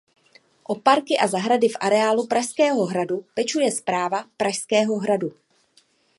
O parky a zahrady v areálu Pražského hradu pečuje Správa Pražského hradu.